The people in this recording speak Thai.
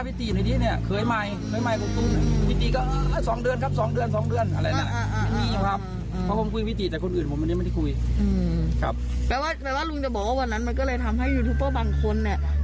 แต่ว่าลุงจะบอกว่าวันนั้นมันก็เลยทำให้ยูทูปเปอร์บางคนเนี่ย